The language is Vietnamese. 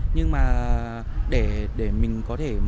nhưng mà để mình có thể